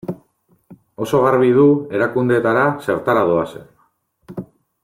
Oso garbi du erakundeetara zertara doazen.